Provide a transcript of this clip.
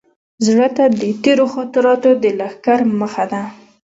زړه ته د تېرو خاطراتو د لښکر مخه ده.